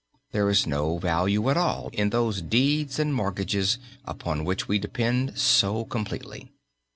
There is no value at all in those deeds and mortgages upon which we depend so completely.